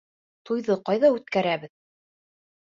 Туйҙы ҡайҙа үткәрәбеҙ?